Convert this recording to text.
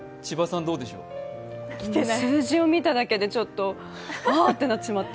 数字を見ただけでちょっとあってなってしまって。